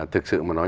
thực sự mà nói